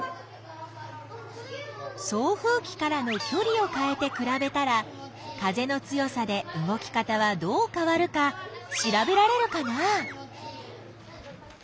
送風きからのきょりをかえてくらべたら風の強さで動き方はどうかわるかしらべられるかな？